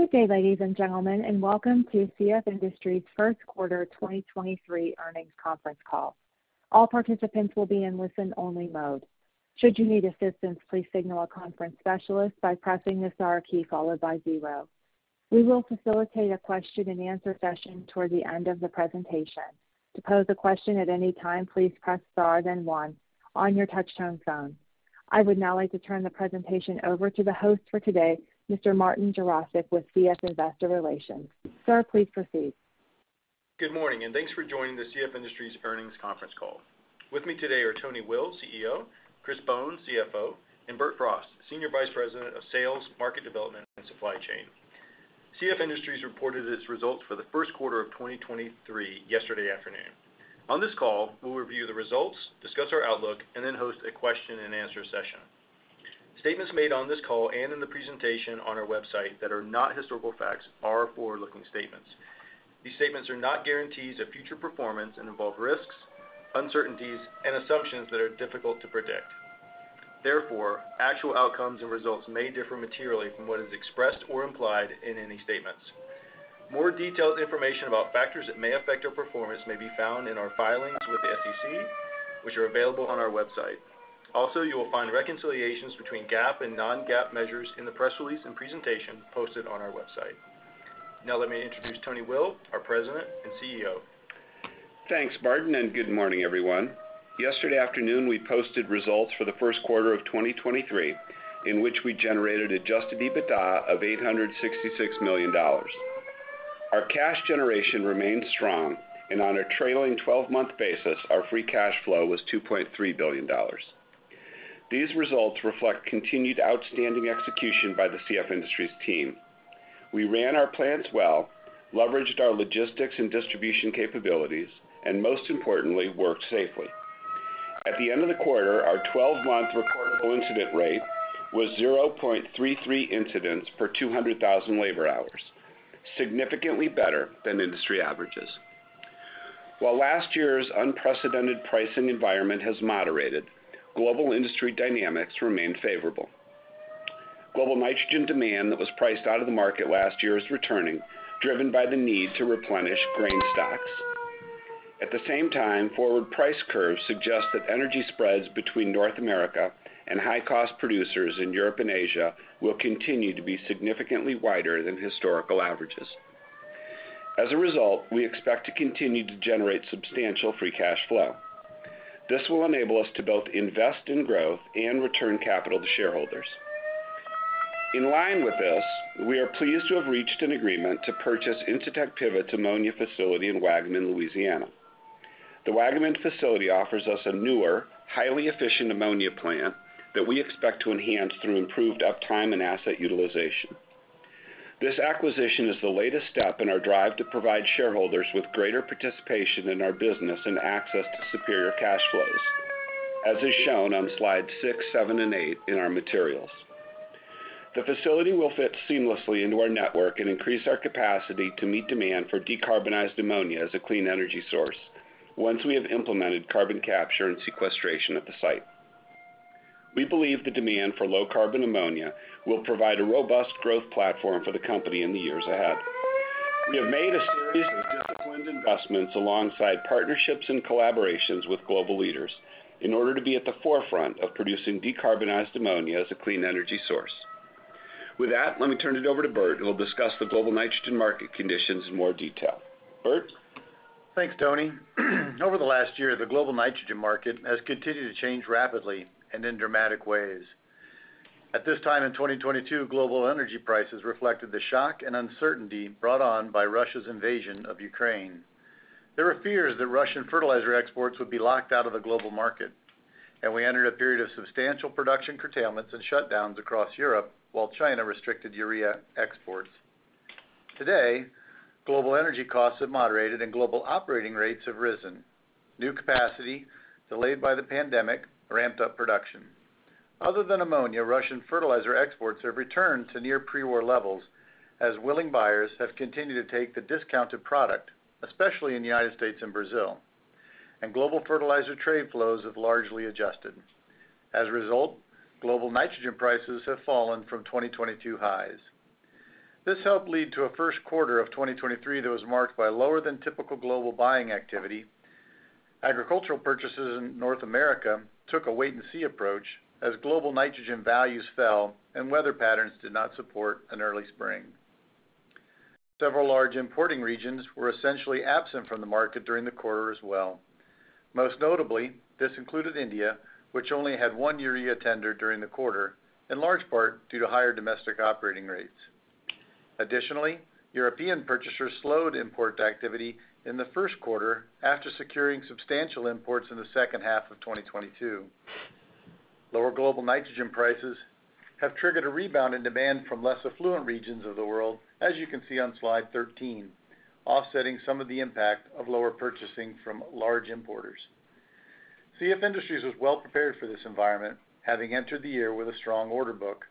Good day, ladies and gentlemen, welcome to CF Industries' First Quarter 2023 Earnings Conference Call. All participants will be in listen-only mode. Should you need assistance, please signal a conference specialist by pressing the star key followed by 0. We will facilitate a question-and-answer session toward the end of the presentation. To pose a question at any time, please press star then 1 on your touch-tone phone. I would now like to turn the presentation over to the host for today, Mr. Martin Jarosick with CF Investor Relations. Sir, please proceed. Good morning, thanks for joining the CF Industries earnings conference call. With me today are Tony Will, CEO, Chris Bohn, CFO, and Bert Frost, Senior Vice President of Sales, Market Development, and Supply Chain. CF Industries reported its results for the first quarter of 2023 yesterday afternoon. On this call, we'll review the results, discuss our outlook, then host a question-and-answer session. Statements made on this call and in the presentation on our website that are not historical facts are forward-looking statements. These statements are not guarantees of future performance and involve risks, uncertainties, and assumptions that are difficult to predict. Therefore, actual outcomes and results may differ materially from what is expressed or implied in any statements. More detailed information about factors that may affect our performance may be found in our filings with the SEC, which are available on our website. You will find reconciliations between GAAP and non-GAAP measures in the press release and presentation posted on our website. Now let me introduce Tony Will, our President and CEO. Thanks, Martin, and good morning, everyone. Yesterday afternoon, we posted results for the first quarter of 2023, in which we generated adjusted EBITDA of $866 million. On a trailing twelve-month basis, our free cash flow was $2.3 billion. These results reflect continued outstanding execution by the CF Industries team. We ran our plants well, leveraged our logistics and distribution capabilities, and most importantly, worked safely. At the end of the quarter, our twelve-month recordable incident rate was 0.33 incidents per 200,000 labor hours, significantly better than industry averages. While last year's unprecedented pricing environment has moderated, global industry dynamics remain favorable. Global nitrogen demand that was priced out of the market last year is returning, driven by the need to replenish grain stocks. At the same time, forward price curves suggest that energy spreads between North America and high-cost producers in Europe and Asia will continue to be significantly wider than historical averages. As a result, we expect to continue to generate substantial free cash flow. This will enable us to both invest in growth and return capital to shareholders. In line with this, we are pleased to have reached an agreement to purchase Incitec Pivot's ammonia facility in Waggaman, Louisiana. The Waggaman facility offers us a newer, highly efficient ammonia plant that we expect to enhance through improved uptime and asset utilization. This acquisition is the latest step in our drive to provide shareholders with greater participation in our business and access to superior cash flows, as is shown on slides six, seven, and eight in our materials. The facility will fit seamlessly into our network and increase our capacity to meet demand for decarbonized ammonia as a clean energy source once we have implemented carbon capture and sequestration at the site. We believe the demand for low-carbon ammonia will provide a robust growth platform for the company in the years ahead. We have made a series of disciplined investments alongside partnerships and collaborations with global leaders in order to be at the forefront of producing decarbonized ammonia as a clean energy source. With that, let me turn it over to Bert, who will discuss the global nitrogen market conditions in more detail. Bert? Thanks, Tony. Over the last year, the global nitrogen market has continued to change rapidly and in dramatic ways. At this time in 2022, global energy prices reflected the shock and uncertainty brought on by Russia's invasion of Ukraine. There were fears that Russian fertilizer exports would be locked out of the global market, and we entered a period of substantial production curtailments and shutdowns across Europe while China restricted urea exports. Today, global energy costs have moderated and global operating rates have risen. New capacity delayed by the pandemic ramped up production. Other than ammonia, Russian fertilizer exports have returned to near pre-war levels as willing buyers have continued to take the discounted product, especially in the United States and Brazil, and global fertilizer trade flows have largely adjusted. As a result, global nitrogen prices have fallen from 2022 highs. This helped lead to a first quarter of 2023 that was marked by lower than typical global buying activity. Agricultural purchases in North America took a wait-and-see approach as global nitrogen values fell and weather patterns did not support an early spring. Several large importing regions were essentially absent from the market during the quarter as well. Most notably, this included India, which only had one urea tender during the quarter, in large part due to higher domestic operating rates. Additionally, European purchasers slowed import activity in the first quarter after securing substantial imports in the second half of 2022. Lower global nitrogen prices have triggered a rebound in demand from less affluent regions of the world, as you can see on slide 13, offsetting some of the impact of lower purchasing from large importers. CF Industries was well prepared for this environment, having entered the year with a strong order book.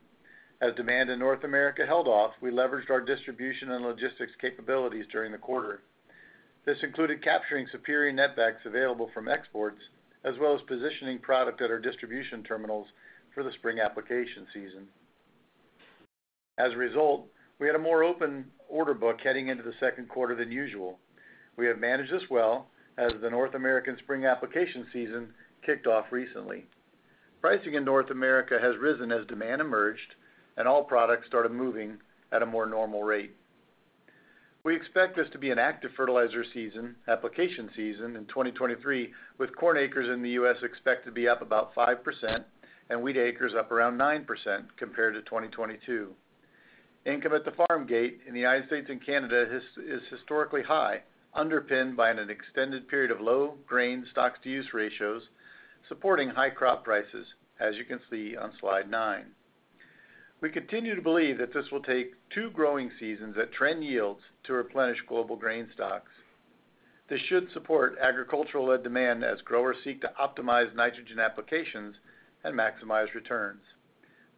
As demand in North America held off, we leveraged our distribution and logistics capabilities during the quarter. This included capturing superior netbacks available from exports, as well as positioning product at our distribution terminals for the spring application season. We had a more open order book heading into the second quarter than usual. We have managed this well as the North American spring application season kicked off recently. Pricing in North America has risen as demand emerged and all products started moving at a more normal rate. We expect this to be an active application season in 2023, with corn acres in the U.S. expected to be up about 5% and wheat acres up around 9% compared to 2022. Income at the farm gate in the United States and Canada is historically high, underpinned by an extended period of low grain stocks-to-use ratios, supporting high crop prices, as you can see on slide nine. We continue to believe that this will take two growing seasons that trend yields to replenish global grain stocks. This should support agricultural-led demand as growers seek to optimize nitrogen applications and maximize returns.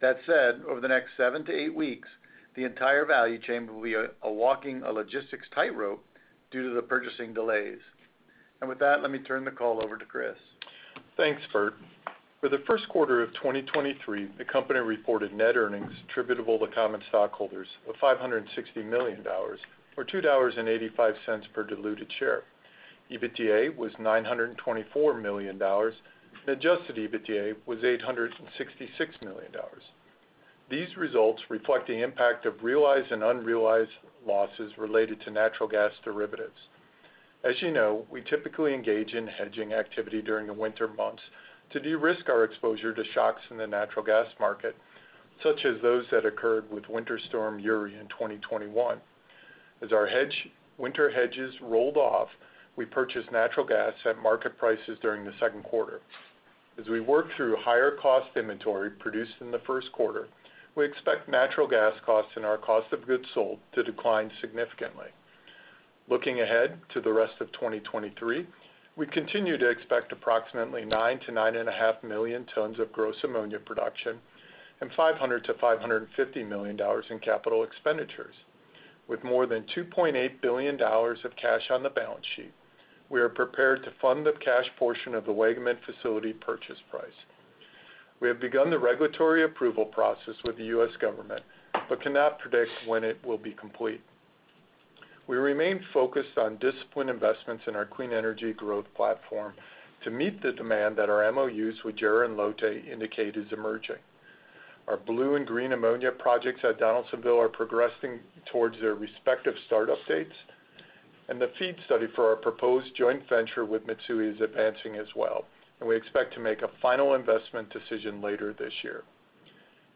That said, over the next seven to eight weeks, the entire value chain will be walking a logistics tightrope due to the purchasing delays. With that, let me turn the call over to Chris. Thanks, Bert. For the first quarter of 2023, the company reported net earnings attributable to common stockholders of $560 million or $2.85 per diluted share. EBITDA was $924 million. Adjusted EBITDA was $866 million. These results reflect the impact of realized and unrealized losses related to natural gas derivatives. As you know, we typically engage in hedging activity during the winter months to de-risk our exposure to shocks in the natural gas market, such as those that occurred with Winter Storm Uri in 2021. As our winter hedges rolled off, we purchased natural gas at market prices during the second quarter. As we work through higher cost inventory produced in the first quarter, we expect natural gas costs and our cost of goods sold to decline significantly. Looking ahead to the rest of 2023, we continue to expect approximately 9 to 9.5 million tons of gross ammonia production and $500 million-$550 million in capital expenditures. With more than $2.8 billion of cash on the balance sheet, we are prepared to fund the cash portion of the Waggaman facility purchase price. We have begun the regulatory approval process with the U.S. government, cannot predict when it will be complete. We remain focused on disciplined investments in our clean energy growth platform to meet the demand that our MOUs with JERA and LOTTE indicate is emerging. Our blue and green ammonia projects at Donaldsonville are progressing towards their respective start-up dates. The FEED study for our proposed joint venture with Mitsui is advancing as well. We expect to make a final investment decision later this year.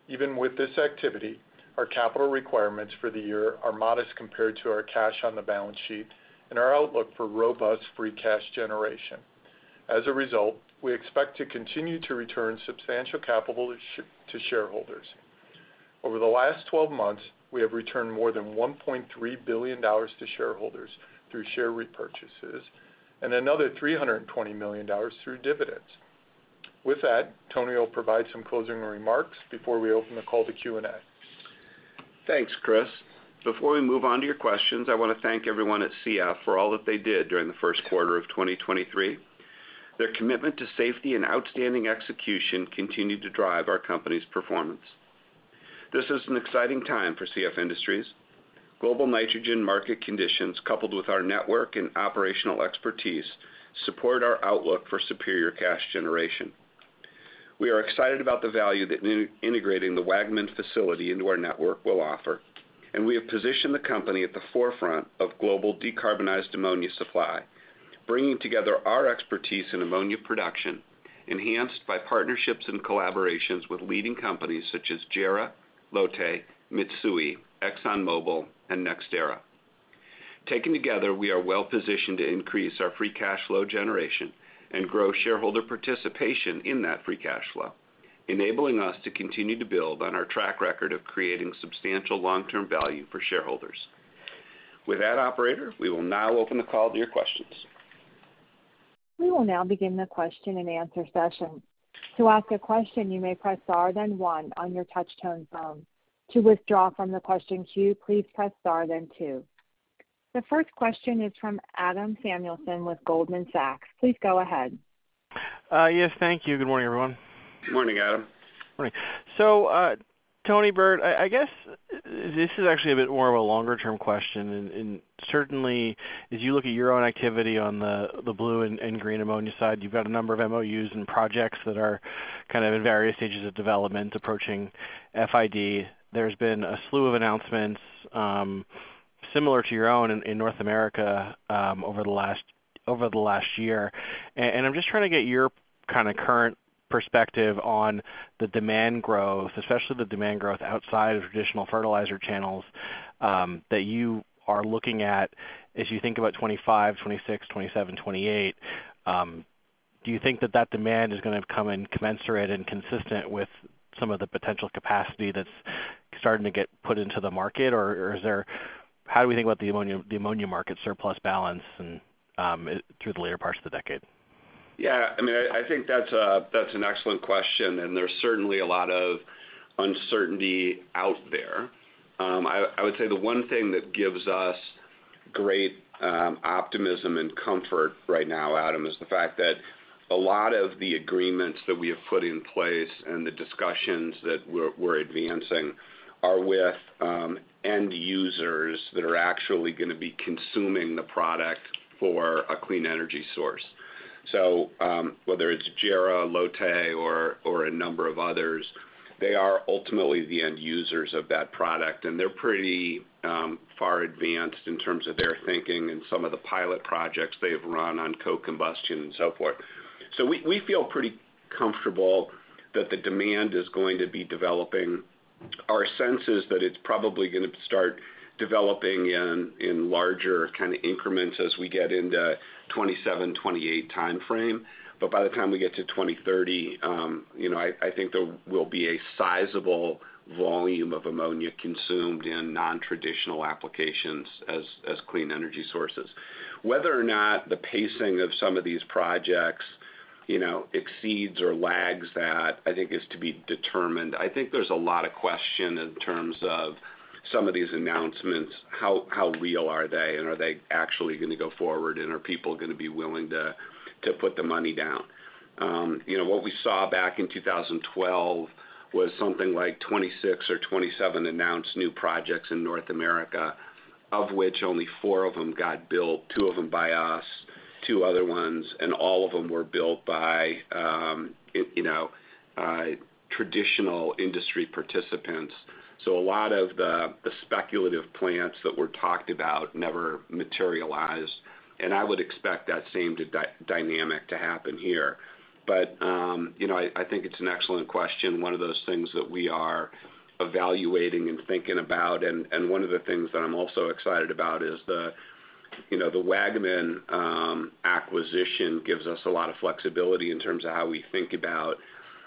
Even with this activity, our capital requirements for the year are modest compared to our cash on the balance sheet and our outlook for robust free cash generation. As a result, we expect to continue to return substantial capital to shareholders. Over the last 12 months, we have returned more than $1.3 billion to shareholders through share repurchases and another $320 million through dividends. With that, Tony Will will provide some closing remarks before we open the call to Q&A. Thanks, Chris. Before we move on to your questions, I want to thank everyone at CF for all that they did during the first quarter of 2023. Their commitment to safety and outstanding execution continued to drive our company's performance. This is an exciting time for CF Industries. Global nitrogen market conditions, coupled with our network and operational expertise, support our outlook for superior cash generation. We are excited about the value that integrating the Waggaman facility into our network will offer, and we have positioned the company at the forefront of global decarbonized ammonia supply, bringing together our expertise in ammonia production, enhanced by partnerships and collaborations with leading companies such as JERA, LOTTE, Mitsui, ExxonMobil, and NextEra. Taken together, we are well positioned to increase our free cash flow generation and grow shareholder participation in that free cash flow, enabling us to continue to build on our track record of creating substantial long-term value for shareholders. With that operator, we will now open the call to your questions. We will now begin the question and answer session. To ask a question, you may press Star, then one on your touch tone phone. To withdraw from the question queue, please press Star then two. The first question is from Adam Samuelson with Goldman Sachs. Please go ahead. Yes, thank you. Good morning, everyone. Morning, Adam. Morning. Tony, Bert, I guess this is actually a bit more of a longer-term question. Certainly as you look at your own activity on the blue and green ammonia side, you've got a number of MOUs and projects that are kind of in various stages of development approaching FID. There's been a slew of announcements similar to your own in North America over the last year. I'm just trying to get your kind of current perspective on the demand growth, especially the demand growth outside of traditional fertilizer channels that you are looking at as you think about 2025, 2026, 2027, 2028. Do you think that that demand is gonna come in commensurate and consistent with some of the potential capacity that's starting to get put into the market? Is there how do we think about the ammonia market surplus balance and, through the later parts of the decade? I mean, I think that's an excellent question, and there's certainly a lot of uncertainty out there. I would say the one thing that gives us great optimism and comfort right now, Adam, is the fact that a lot of the agreements that we have put in place and the discussions that we're advancing are with end users that are actually gonna be consuming the product for a clean energy source. Whether it's JERA, LOTTE or a number of others, they are ultimately the end users of that product, and they're pretty far advanced in terms of their thinking and some of the pilot projects they've run on co-combustion and so forth. We feel pretty comfortable that the demand is going to be developing. Our sense is that it's probably gonna start developing in larger kind of increments as we get into 2027, 2028 timeframe. By the time we get to 2030, you know, I think there will be a sizable volume of ammonia consumed in nontraditional applications as clean energy sources. Whether or not the pacing of some of these projects, you know, exceeds or lags that, I think is to be determined. I think there's a lot of question in terms of some of these announcements, how real are they? Are they actually gonna go forward, and are people gonna be willing to put the money down? You know, what we saw back in 2012 was something like 26 or 27 announced new projects in North America, of which only four of them got built, two of them by us, two other ones, and all of them were built by, you know, traditional industry participants. A lot of the speculative plants that were talked about never materialized, and I would expect that same dynamic to happen here. You know, I think it's an excellent question, one of those things that we are evaluating and thinking about. One of the things that I'm also excited about is the, you know, the Waggaman acquisition gives us a lot of flexibility in terms of how we think about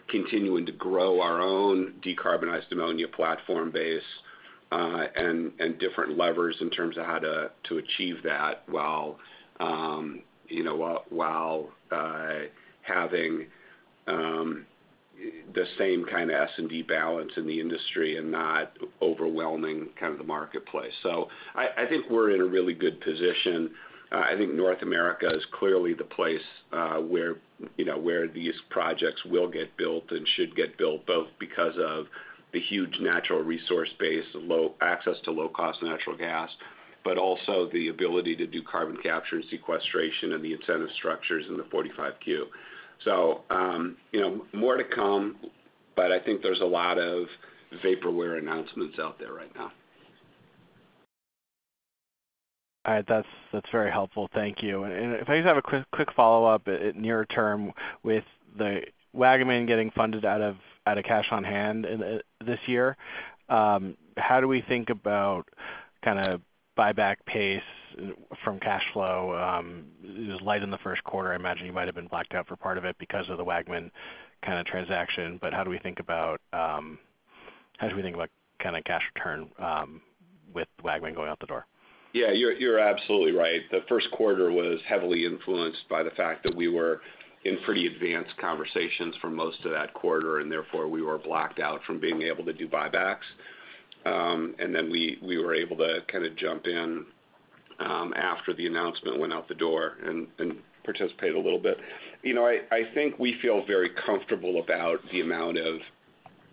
continuing to grow our own decarbonized ammonia platform base, and different levers in terms of how to achieve that while, you know, while having the same kind of S&D balance in the industry and not overwhelming kind of the marketplace. I think we're in a really good position. I think North America is clearly the place, where, you know, where these projects will get built and should get built, both because of the huge natural resource base, access to low-cost natural gas, but also the ability to do carbon capture and sequestration and the incentive structures in the 45Q. You know, more to come, but I think there's a lot of vaporware announcements out there right now. All right. That's very helpful. Thank you. If I just have a quick follow-up near term with the Waggaman getting funded out of cash on hand this year, how do we think about kind of buyback pace from cash flow? It was light in the first quarter. I imagine you might have been blacked out for part of it because of the Waggaman kind of transaction. How do we think about kind of cash return with Waggaman going out the door? Yeah, you're absolutely right. The first quarter was heavily influenced by the fact that we were in pretty advanced conversations for most of that quarter, and therefore, we were blacked out from being able to do buybacks. Then we were able to kind of jump in after the announcement went out the door and participate a little bit. You know, I think we feel very comfortable about the amount of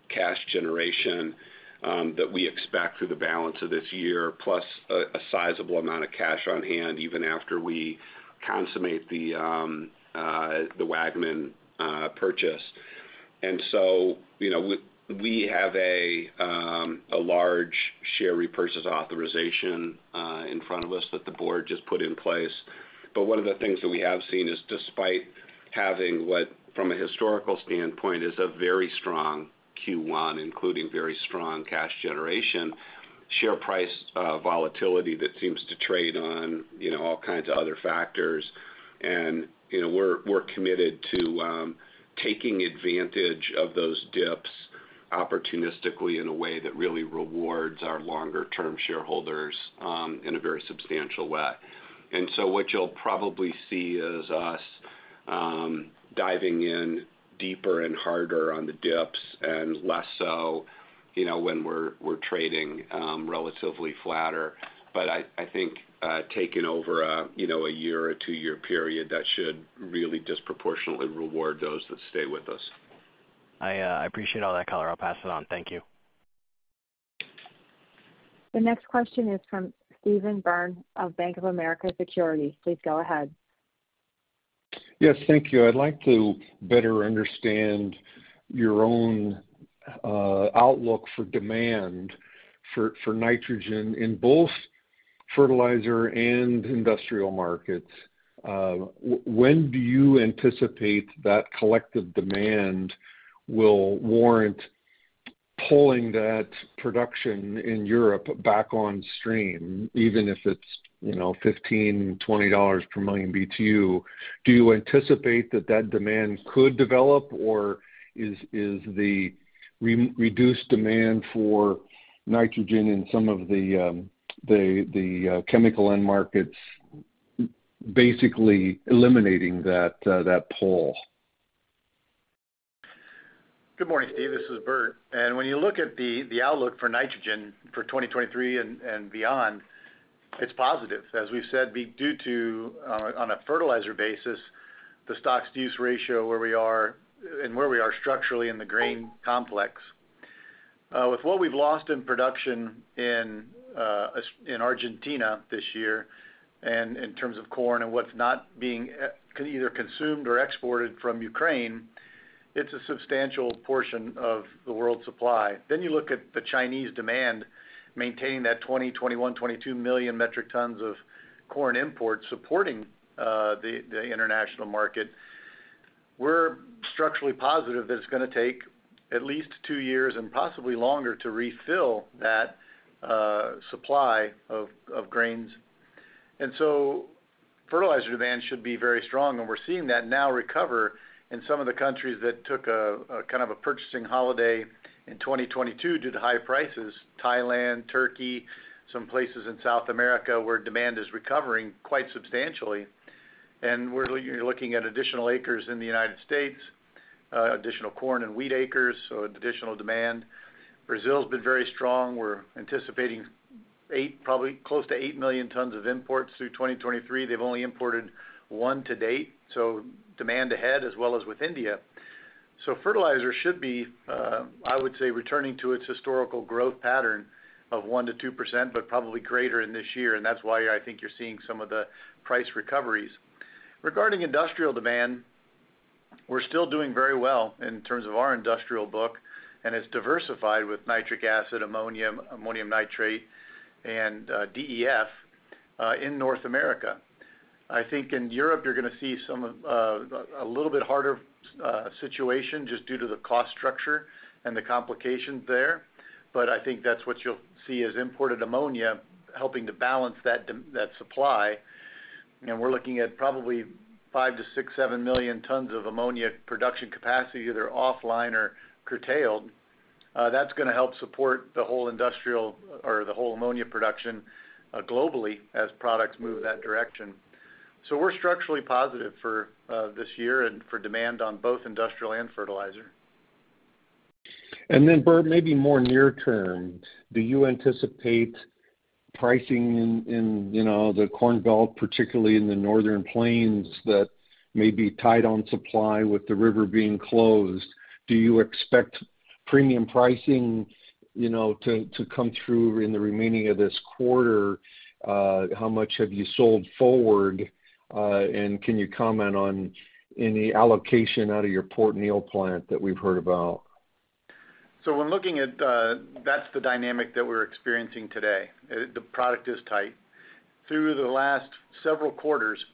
cash generation that we expect through the balance of this year, plus a sizable amount of cash on hand even after we consummate the Waggaman purchase. So, you know, we have a large share repurchase authorization in front of us that the board just put in place. One of the things that we have seen is despite having what, from a historical standpoint, is a very strong Q1, including very strong cash generation, share price, volatility that seems to trade on, you know, all kinds of other factors. You know, we're committed to taking advantage of those dips opportunistically in a way that really rewards our longer-term shareholders in a very substantial way. So what you'll probably see is us diving in deeper and harder on the dips and less so, you know, when we're trading relatively flatter. I think taking over a, you know, a year or a two-year period, that should really disproportionately reward those that stay with us. I appreciate all that color. I'll pass it on. Thank you. The next question is from Steven Byrne of Bank of America Securities. Please go ahead. Yes, thank you. I'd like to better understand your own outlook for demand for nitrogen in both fertilizer and industrial markets. When do you anticipate that collective demand will warrant pulling that production in Europe back on stream, even if it's, you know, $15-$20 per MMBtu? Do you anticipate that demand could develop, or is the reduced demand for nitrogen in some of the industrial, the chemical end markets basically eliminating that pull? Good morning, Steve. This is Bert. When you look at the outlook for nitrogen for 2023 and beyond, it's positive. As we've said, due to, on a fertilizer basis, the stocks-to-use ratios where we are and where we are structurally in the grain complex. With what we've lost in production in Argentina this year, and in terms of corn and what's not being either consumed or exported from Ukraine, it's a substantial portion of the world's supply. You look at the Chinese demand maintaining that 20 million-22 million metric tons of corn imports supporting the international market. We're structurally positive that it's gonna take at least two years, and possibly longer, to refill that supply of grains. Fertilizer demand should be very strong, and we're seeing that now recover in some of the countries that took a kind of a purchasing holiday in 2022 due to high prices, Thailand, Turkey, some places in South America where demand is recovering quite substantially. We're looking at additional acres in the United States, additional corn and wheat acres, so additional demand. Brazil's been very strong. We're anticipating probably close to 8 million tons of imports through 2023. They've only imported one to date, so demand ahead as well as with India. Fertilizer should be, I would say, returning to its historical growth pattern of 1%-2%, but probably greater in this year. That's why I think you're seeing some of the price recoveries. Regarding industrial demand, we're still doing very well in terms of our industrial book, and it's diversified with nitric acid, ammonium nitrate, and DEF in North America. I think that's what you'll see as imported ammonia helping to balance that supply. We're looking at probably 5 to 6, 7 million tons of ammonia production capacity either offline or curtailed. That's gonna help support the whole industrial or the whole ammonia production globally as products move that direction. We're structurally positive for this year and for demand on both industrial and fertilizer. Bert, maybe more near term, do you anticipate pricing in, you know, the Corn Belt, particularly in the northern plains that may be tight on supply with the river being closed? Do you expect premium pricing, you know, to come through in the remaining of this quarter? How much have you sold forward, and can you comment on any allocation out of your Port Neal plant that we've heard about? When looking at, that's the dynamic that we're experiencing today. The product is tight. Through the last several quarters,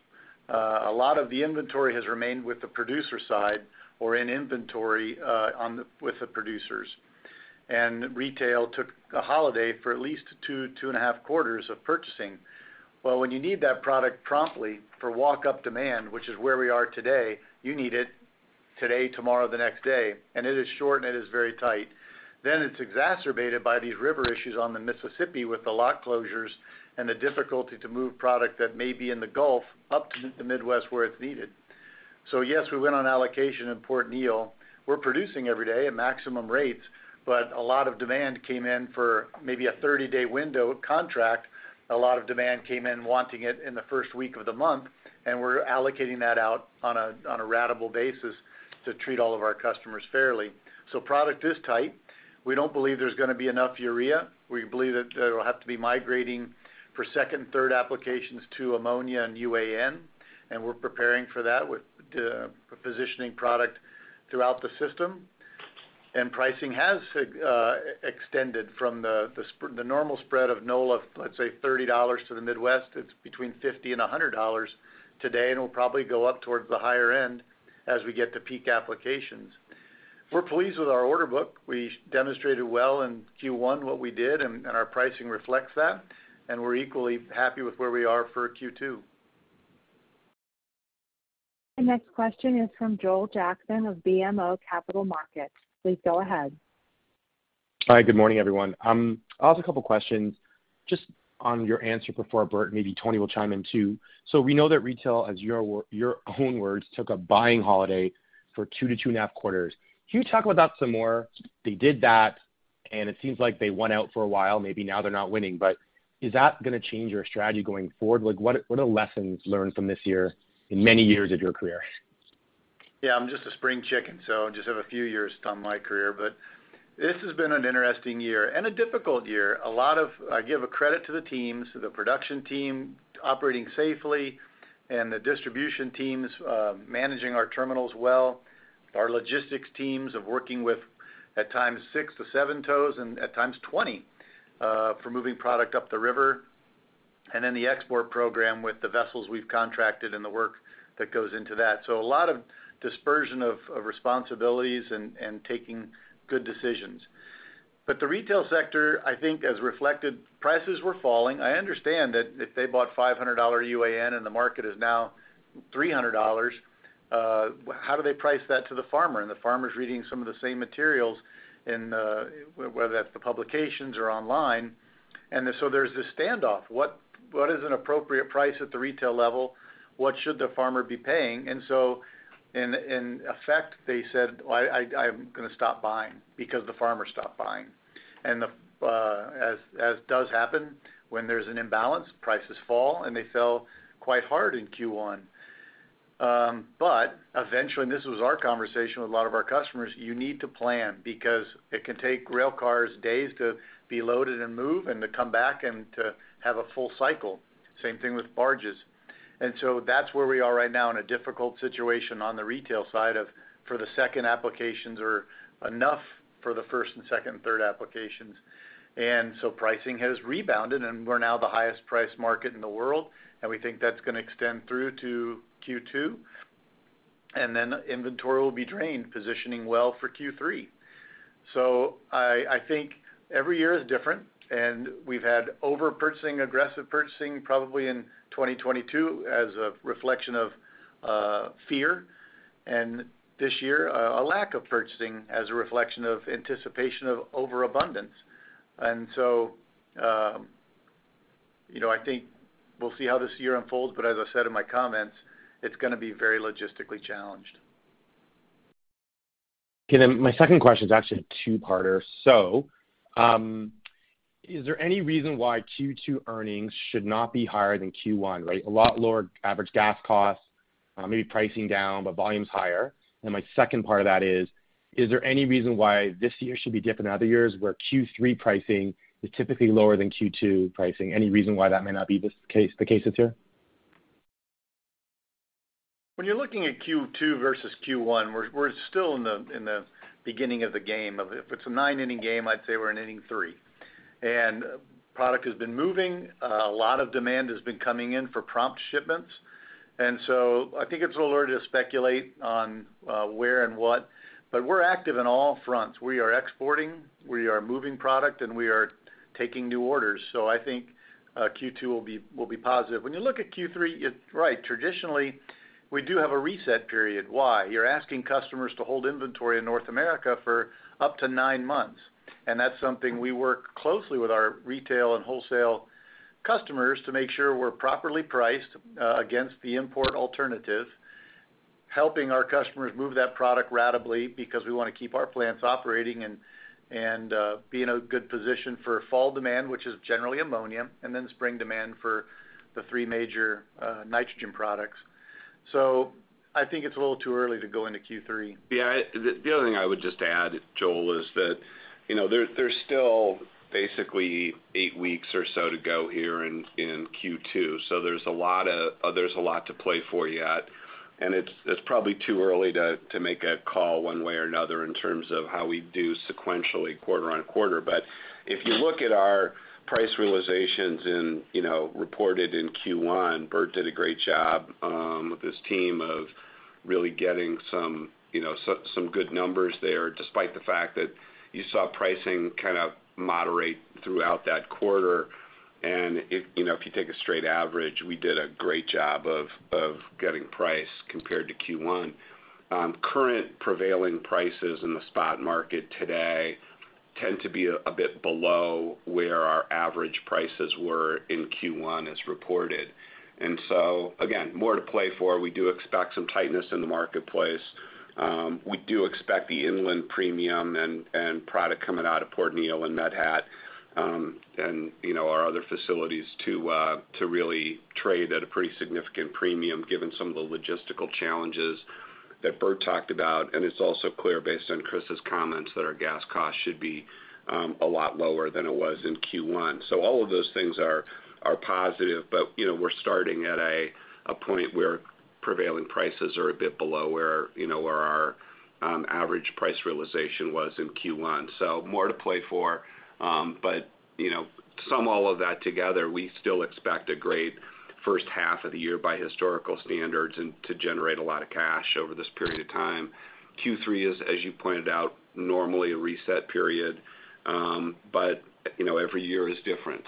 a lot of the inventory has remained with the producer side or in inventory with the producers. Retail took a holiday for at least two and a half quarters of purchasing. When you need that product promptly for walk-up demand, which is where we are today, you need it today, tomorrow, the next day, and it is short, and it is very tight. It's exacerbated by these river issues on the Mississippi with the lock closures and the difficulty to move product that may be in the Gulf up to the Midwest where it's needed. Yes, we went on allocation in Port Neal. We're producing every day at maximum rates, a lot of demand came in for maybe a 30-day window contract. A lot of demand came in wanting it in the 1st week of the month, and we're allocating that out on a ratable basis to treat all of our customers fairly. Product is tight. We don't believe there's gonna be enough urea. We believe that they will have to be migrating for 2nd and 3rd applications to ammonia and UAN, and we're preparing for that with positioning product throughout the system. Pricing has extended from the normal spread of NOLA of, let's say, $30 to the Midwest. It's between $50 and $100 today, and it'll probably go up towards the higher end as we get to peak applications. We're pleased with our order book. We demonstrated well in Q1 what we did, and our pricing reflects that, and we're equally happy with where we are for Q2. The next question is from Joel Jackson of BMO Capital Markets. Please go ahead. Hi. Good morning, everyone. I'll ask a couple questions just on your answer before, Bert, maybe Tony Will chime in too. We know that retail, as your own words, took a buying holiday for 2 to 2.5 quarters. Can you talk about that some more? They did that, it seems like they went out for a while, maybe now they're not winning. Is that gonna change your strategy going forward? Like, what are lessons learned from this year in many years of your career? Yeah, I'm just a spring chicken, so I just have a few years on my career. This has been an interesting year and a difficult year. I give a credit to the teams, to the production team operating safely and the distribution teams, managing our terminals well. Our logistics teams of working with, at times, six to seven tows and at times 20, for moving product up the river. The export program with the vessels we've contracted and the work that goes into that. A lot of dispersion of responsibilities and taking good decisions. The retail sector, I think, as reflected, prices were falling. I understand that if they bought $500 UAN and the market is now $300. How do they price that to the farmer? The farmer's reading some of the same materials in, whether that's the publications or online. So there's this standoff. What is an appropriate price at the retail level? What should the farmer be paying? So in effect, they said, "Well, I'm gonna stop buying," because the farmer stopped buying. The, as does happen when there's an imbalance, prices fall, and they fell quite hard in Q1. Eventually, and this was our conversation with a lot of our customers, you need to plan because it can take rail cars days to be loaded and move and to come back and to have a full cycle. Same thing with barges. That's where we are right now in a difficult situation on the retail side of for the second applications or enough for the first and second and third applications. Pricing has rebounded, and we're now the highest priced market in the world. We think that's gonna extend through to Q2. Then inventory will be drained, positioning well for Q3. I think every year is different, and we've had over-purchasing, aggressive purchasing probably in 2022 as a reflection of fear, and this year, a lack of purchasing as a reflection of anticipation of overabundance. You know, I think we'll see how this year unfolds, but as I said in my comments, it's gonna be very logistically challenged. My second question is actually a 2-parter. Is there any reason why Q2 earnings should not be higher than Q1, right? A lot lower average gas costs, maybe pricing down, but volume's higher. My second part of that is there any reason why this year should be different than other years where Q3 pricing is typically lower than Q2 pricing? Any reason why that may not be the case this year? When you're looking at Q2 versus Q1, we're still in the beginning of the game of it. If it's a nine-inning game, I'd say we're in inning three. Product has been moving. A lot of demand has been coming in for prompt shipments. I think it's a little early to speculate on where and what, but we're active in all fronts. We are exporting, we are moving product, and we are taking new orders. I think Q2 will be positive. When you look at Q3, you're right. Traditionally, we do have a reset period. Why? You're asking customers to hold inventory in North America for up to nine months. That's something we work closely with our retail and wholesale customers to make sure we're properly priced against the import alternative, helping our customers move that product ratably because we wanna keep our plants operating and be in a good position for fall demand, which is generally ammonia, and then spring demand for the three major nitrogen products. I think it's a little too early to go into Q3. Yeah. The other thing I would just add, Joel, is that, you know, there's still basically eight weeks or so to go here in Q2. There's a lot to play for yet. It's probably too early to make a call one way or another in terms of how we do sequentially quarter-on-quarter. If you look at our price realizations in, you know, reported in Q1, Bert did a great job with his team of really getting some, you know, some good numbers there, despite the fact that you saw pricing kind of moderate throughout that quarter. If, you know, if you take a straight average, we did a great job of getting price compared to Q1. Current prevailing prices in the spot market today tend to be a bit below where our average prices were in Q1 as reported. Again, more to play for. We do expect some tightness in the marketplace. We do expect the inland premium and product coming out of Port Neal and Mid-Hatt, and, you know, our other facilities to really trade at a pretty significant premium given some of the logistical challenges that Bert talked about. It's also clear based on Chris's comments that our gas costs should be a lot lower than it was in Q1. All of those things are positive, but, you know, we're starting at a point where prevailing prices are a bit below where, you know, where our average price realization was in Q1. More to play for. You know, sum all of that together, we still expect a great first half of the year by historical standards and to generate a lot of cash over this period of time. Q3 is, as you pointed out, normally a reset period. You know, every year is different.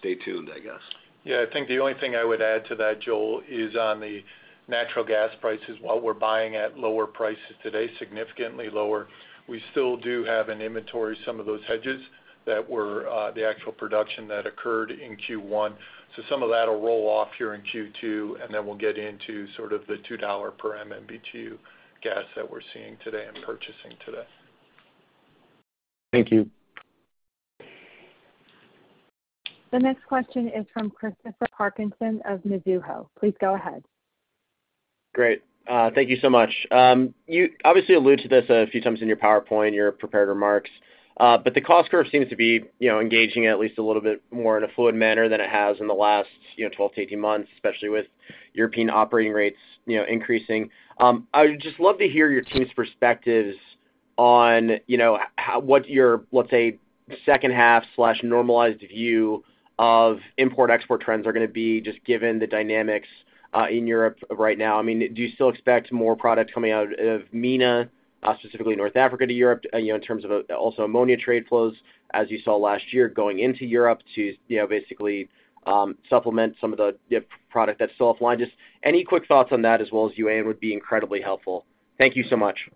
Stay tuned, I guess. Yeah. I think the only thing I would add to that, Joel, is on the natural gas prices. While we're buying at lower prices today, significantly lower, we still do have in inventory some of those hedges that were the actual production that occurred in Q1. Some of that'll roll off here in Q2, and then we'll get into sort of the $2 per MMBtu gas that we're seeing today and purchasing today. Thank you. The next question is from Christopher Parkinson of Mizuho. Please go ahead. Great. Thank you so much. You obviously allude to this a few times in your PowerPoint, your prepared remarks. The cost curve seems to be, you know, engaging at least a little bit more in a fluid manner than it has in the last, you know, 12-18 months, especially with European operating rates, you know, increasing. I would just love to hear your team's perspectives on, you know, what your, let's say, second half/normalized view of import-export trends are gonna be just given the dynamics in Europe right now. I mean, do you still expect more products coming out of MENA, specifically North Africa to Europe, you know, in terms of also ammonia trade flows as you saw last year going into Europe to, you know, basically, supplement some of the product that's still offline? Just any quick thoughts on that as well as UAN would be incredibly helpful. Thank you so much.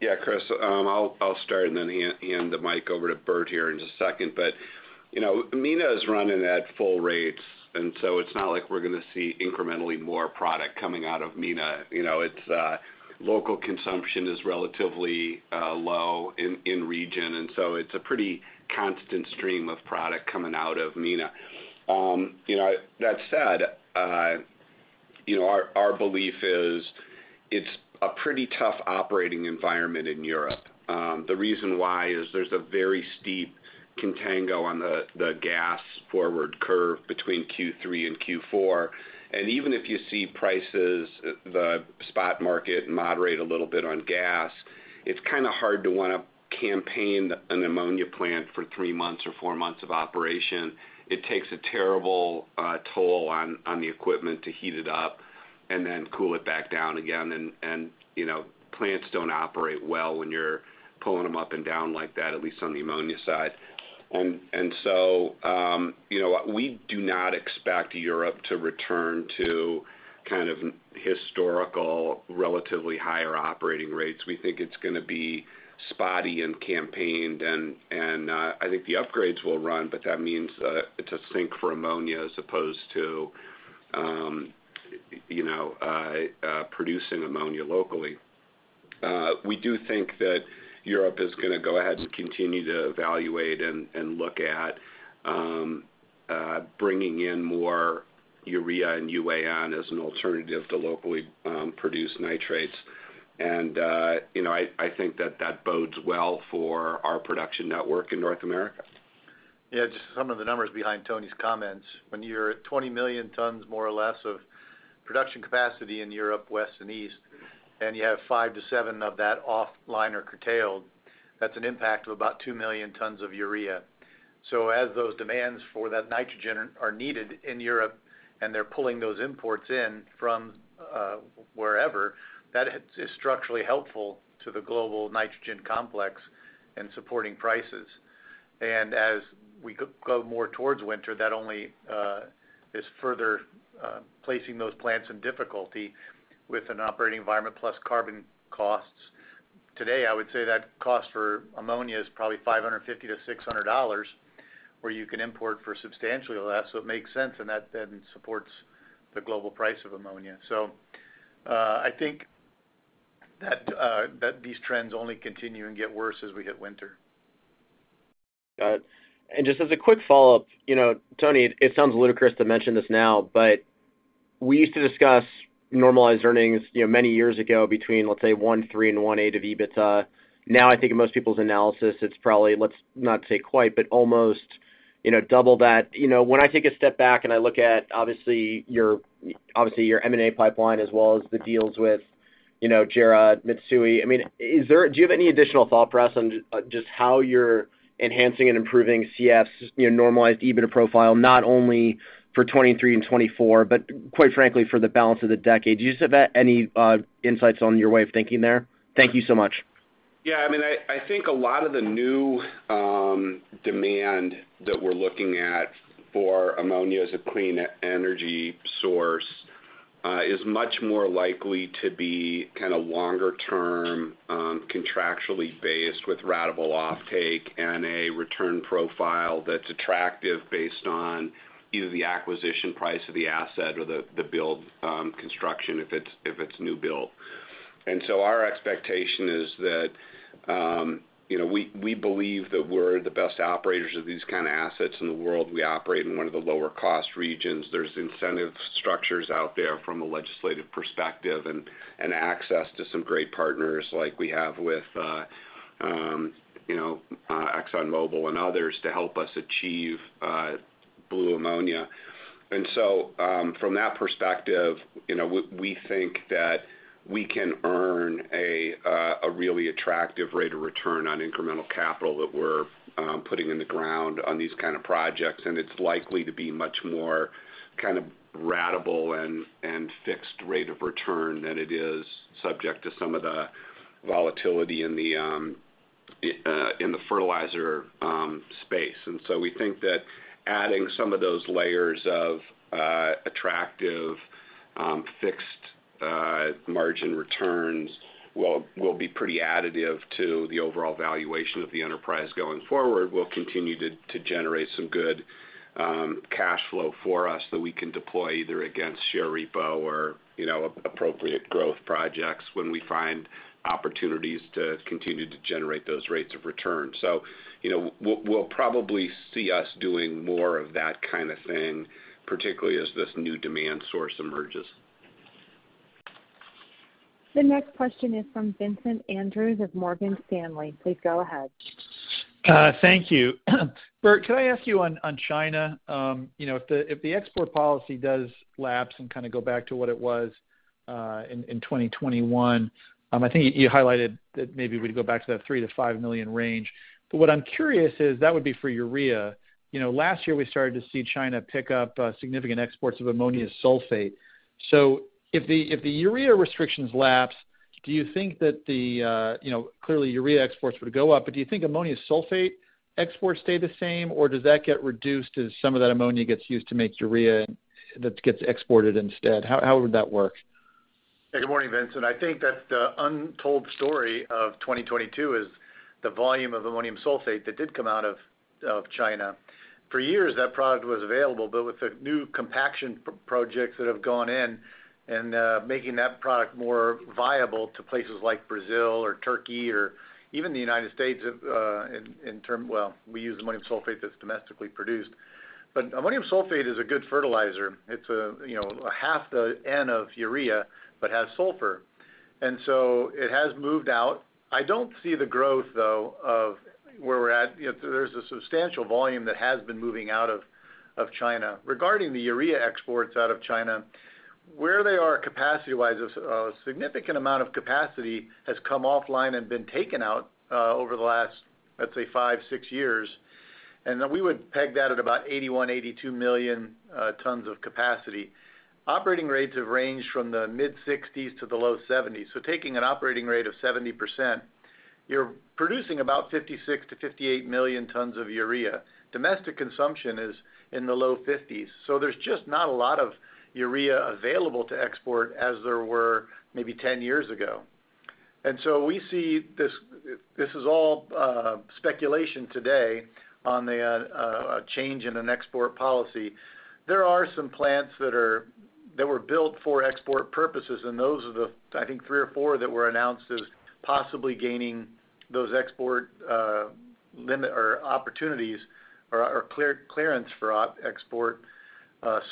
Yeah, Chris, I'll start and then hand the mic over to Bert here in just a second. You know, MENA is running at full rates, and so it's not like we're gonna see incrementally more product coming out of MENA. You know, it's local consumption is relatively low in region, and so it's a pretty constant stream of product coming out of MENA. You know, that said, you know, our belief is it's a pretty tough operating environment in Europe. The reason why is there's a very steep contango on the gas forward curve between Q3 and Q4. Even if you see prices, the spot market moderate a little bit on gas, it's kinda hard to wanna campaign an ammonia plant for three months or four months of operation. It takes a terrible toll on the equipment to heat it up and then cool it back down again. You know, plants don't operate well when you're pulling them up and down like that, at least on the ammonia side. You know, we do not expect Europe to return to kind of historical, relatively higher operating rates. We think it's gonna be spotty and campaigned, and I think the upgrades will run, but that means it's a sink for ammonia as opposed to, you know, producing ammonia locally. We do think that Europe is gonna go ahead and continue to evaluate and look at bringing in more urea and UAN as an alternative to locally produced nitrates. you know, I think that that bodes well for our production network in North America. Yeah, just some of the numbers behind Tony's comments. When you're at 20 million tons more or less of production capacity in Europe, West and East, and you have five to seven of that offline or curtailed, that's an impact of about 2 million tons of urea. As those demands for that nitrogen are needed in Europe, and they're pulling those imports in from wherever, that is structurally helpful to the global nitrogen complex and supporting prices. As we go more towards winter, that only is further placing those plants in difficulty with an operating environment plus carbon costs. Today, I would say that cost for ammonia is probably $550-$600, where you can import for substantially less. It makes sense, and that then supports the global price of ammonia. I think that these trends only continue and get worse as we hit winter. Got it. Just as a quick follow-up. You know, Tony, it sounds ludicrous to mention this now, but we used to discuss normalized earnings, you know, many years ago between, let's say, $1.3 and $1.8 of EBITDA. Now, I think in most people's analysis, it's probably, let's not say quite, but almost, you know, double that. When I take a step back and I look at, obviously, your M&A pipeline as well as the deals with, you know, JERA, Mitsui, I mean, do you have any additional thought for us on just how you're enhancing and improving CF's, you know, normalized EBITDA profile, not only for 2023 and 2024, but quite frankly, for the balance of the decade? Do you just have any insights on your way of thinking there? Thank you so much. Yeah, I mean, I think a lot of the new demand that we're looking at for ammonia as a clean energy source is much more likely to be kinda longer term, contractually based with ratable offtake and a return profile that's attractive based on either the acquisition price of the asset or the build construction if it's new build. Our expectation is that, you know, we believe that we're the best operators of these kinda assets in the world. We operate in one of the lower cost regions. There's incentive structures out there from a legislative perspective and access to some great partners like we have with, you know, ExxonMobil and others to help us achieve blue ammonia. From that perspective, you know, we think that we can earn a really attractive rate of return on incremental capital that we're putting in the ground on these kind of projects. It's likely to be much more kind of ratable and fixed rate of return than it is subject to some of the volatility in the fertilizer space. We think that adding some of those layers of attractive fixed margin returns will be pretty additive to the overall valuation of the enterprise going forward, will continue to generate some good cash flow for us that we can deploy either against share repo or, you know, appropriate growth projects when we find opportunities to continue to generate those rates of return. you know, we'll probably see us doing more of that kind of thing, particularly as this new demand source emerges. The next question is from Vincent Andrews of Morgan Stanley. Please go ahead. Thank you. Bert, could I ask you on China, you know, if the export policy does lapse and kinda go back to what it was in 2021, I think you highlighted that maybe we'd go back to that 3 million-5 million range. What I'm curious is that would be for urea. You know, last year, we started to see China pick up significant exports of ammonium sulfate. If the urea restrictions lapse, do you think that the, you know, clearly urea exports would go up, but do you think ammonium sulfate exports stay the same, or does that get reduced as some of that ammonia gets used to make urea that gets exported instead? How would that work? Good morning, Vincent. I think that the untold story of 2022 is the volume of ammonium sulfate that did come out of China. For years, that product was available, but with the new compaction projects that have gone in and making that product more viable to places like Brazil or Turkey or even the United States. Well, we use ammonium sulfate that's domestically produced. Ammonium sulfate is a good fertilizer. It's a, you know, half the N of urea but has sulfur. It has moved out. I don't see the growth, though, of where we're at. You know, there's a substantial volume that has been moving out of China. Regarding the urea exports out of China, where they are capacity-wise, a significant amount of capacity has come offline and been taken out over the last, let's say, five, six years. We would peg that at about 81-82 million tons of capacity. Operating rates have ranged from the mid-60s to the low 70s. Taking an operating rate of 70%, you're producing about 56-58 million tons of urea. Domestic consumption is in the low 50s, so there's just not a lot of urea available to export as there were maybe 10 years ago. We see this is all speculation today on the a change in an export policy. There are some plants that were built for export purposes, and those are the, I think, three or four that were announced as possibly gaining those export limit or opportunities or clearance for export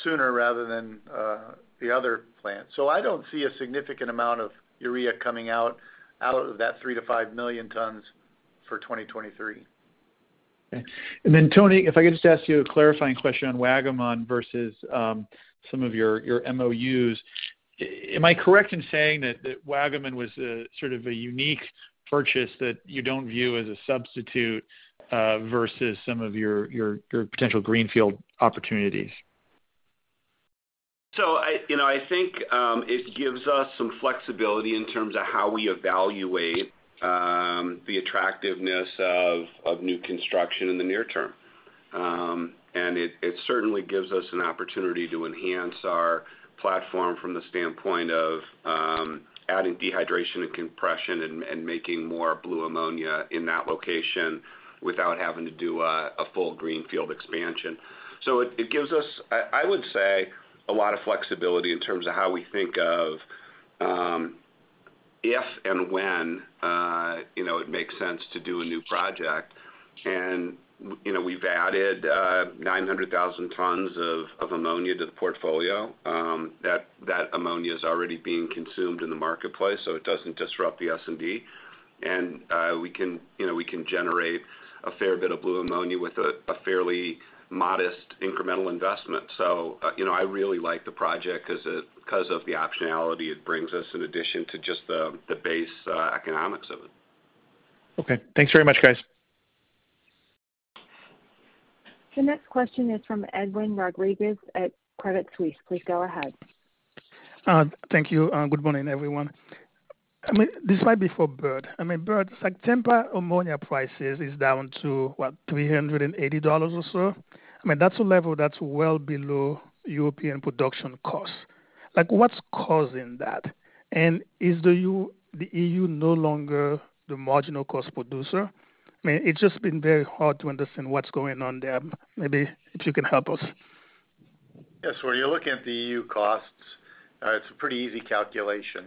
sooner rather than the other plants. I don't see a significant amount of urea coming out of that 3 million-5 million tons for 2023. Okay. Tony, if I could just ask you a clarifying question on Waggaman versus some of your MOUs. Am I correct in saying that Waggaman was a sort of a unique purchase that you don't view as a substitute versus some of your potential greenfield opportunities? I, you know, I think, it gives us some flexibility in terms of how we evaluate, the attractiveness of new construction in the near term. It certainly gives us an opportunity to enhance our platform from the standpoint of adding dehydration and compression and making more blue ammonia in that location without having to do a full greenfield expansion. It gives us, I would say, a lot of flexibility in terms of how we think of if and when, you know, it makes sense to do a new project. You know, we've added 900,000 tons of ammonia to the portfolio. That ammonia is already being consumed in the marketplace, so it doesn't disrupt the S&D. We can, you know, we can generate a fair bit of blue ammonia with a fairly modest incremental investment. You know, I really like the project 'cause of the optionality it brings us in addition to just the base, economics of it. Okay. Thanks very much, guys. The next question is from Edlain Rodriguez at Credit Suisse. Please go ahead. Thank you. Good morning, everyone. I mean, this might be for Bert. I mean, Bert, September ammonia prices is down to, what, $380 or so? I mean, that's a level that's well below European production costs. Like, what's causing that? Is the EU no longer the marginal cost producer? I mean, it's just been very hard to understand what's going on there. Maybe if you can help us. Yes. When you're looking at the EU costs, it's a pretty easy calculation.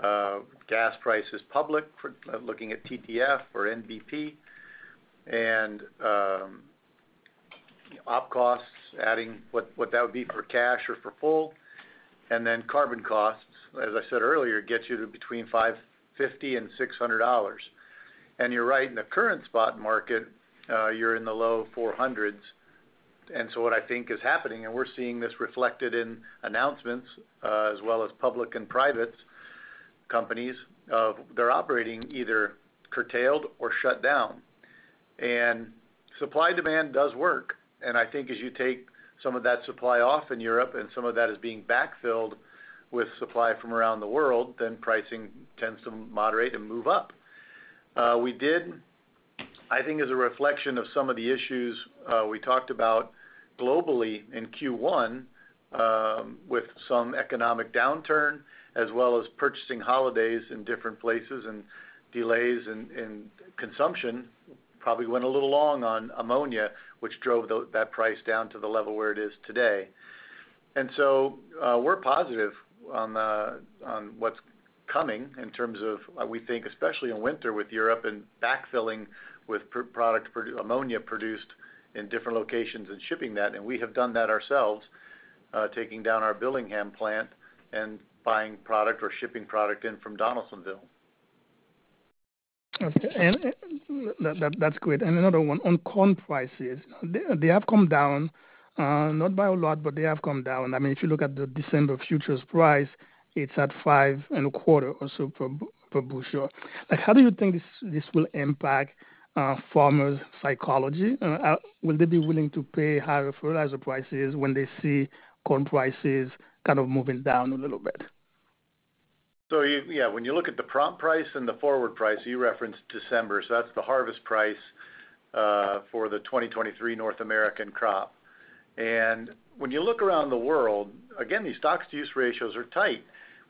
Gas price is public for looking at TTF or NBP. Op costs, adding what that would be for cash or for full, and then carbon costs, as I said earlier, gets you to between $550-$600. You're right, in the current spot market, you're in the low $400s. What I think is happening, and we're seeing this reflected in announcements, as well as public and private companies, they're operating either curtailed or shut down. Supply-demand does work. I think as you take some of that supply off in Europe and some of that is being backfilled with supply from around the world, then pricing tends to moderate and move up. We did, I think as a reflection of some of the issues, we talked about globally in Q1, with some economic downturn as well as purchasing holidays in different places and delays in consumption, probably went a little long on ammonia, which drove that price down to the level where it is today. We're positive on what's coming in terms of, we think especially in winter with Europe and backfilling with ammonia produced in different locations and shipping that, and we have done that ourselves, taking down our Billingham plant and buying product or shipping product in from Donaldsonville. Okay. That's great. Another one on corn prices. They have come down, not by a lot, but they have come down. I mean, if you look at the December futures price, it's at five and a quarter or so per bushel. Like, how do you think this will impact farmers' psychology? Will they be willing to pay higher fertilizer prices when they see corn prices kind of moving down a little bit? Yeah, when you look at the prompt price and the forward price, you referenced December, so that's the harvest price for the 2023 North American crop. When you look around the world, again, these stocks-to-use ratios are tight.